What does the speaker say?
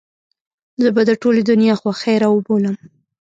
زه به د ټولې دنيا خوښۍ راوبولم.